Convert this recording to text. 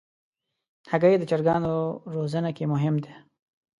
هګۍ د چرګانو روزنه کې مهم ده.